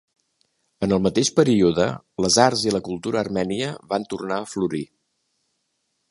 En el mateix període les arts i la cultura armènia van tornar a florir.